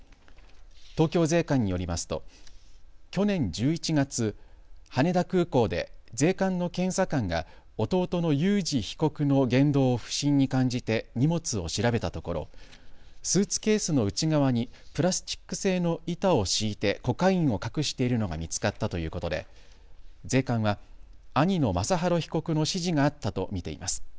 東京税関によりますと去年１１月、羽田空港で税関の検査官が弟のユウジ被告の言動を不審に感じて荷物を調べたところスーツケースの内側にプラスチック製の板を敷いてコカインを隠しているのが見つかったということで税関は兄のマサハロ被告の指示があったと見ています。